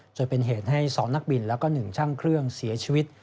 จนเป็นเหตุให้๒นักบินแล้วก็๑ช่างเครื่องเสียชีวิต